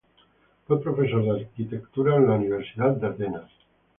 Fue profesor de arquitectura en la universidad de Atenas.